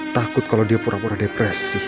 takut kalau dia pura pura depresi